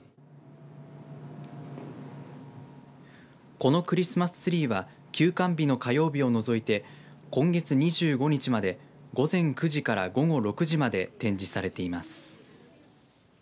このクリスマスツリーは休館日の火曜日を除いて今月２５日まで午前９時から午後６時まで展示されています。